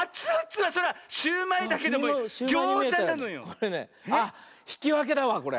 これねあっひきわけだわこれ。